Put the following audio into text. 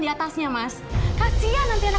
diatasnya mas kasihan nanti anak